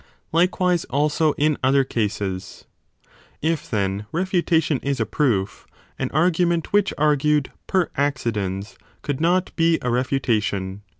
Likewise also in other cases. If, then, refutation is a proof, an argument which argued per accidens could not be a refutation.